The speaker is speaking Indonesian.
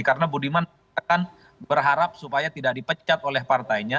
karena budiman akan berharap supaya tidak dipecat oleh partainya